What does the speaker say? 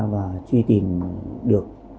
và truy tìm được